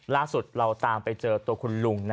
ล่าสุดเราตามไปเจอตัวคุณลุง